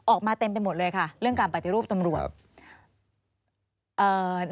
ออกมาเต็มไปหมดเลยค่ะเรื่องการปฏิรูปตำรวจ